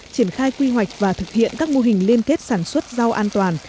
triển khai quy hoạch và thực hiện các mô hình liên kết sản xuất rau an toàn